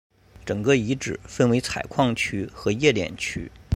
整个遗址分为采矿区和冶炼区。